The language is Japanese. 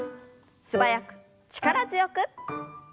素早く力強く。